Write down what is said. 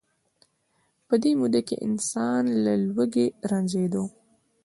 په دې موده کې انسان له لوږې رنځیده.